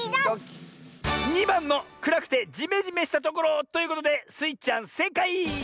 ２ばんのくらくてジメジメしたところということでスイちゃんせいかい！